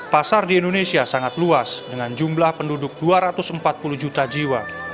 pasar di indonesia sangat luas dengan jumlah penduduk dua ratus empat puluh juta jiwa